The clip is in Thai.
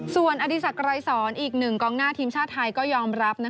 ส่วนอดีศักดรายสอนอีกหนึ่งกองหน้าทีมชาติไทยก็ยอมรับ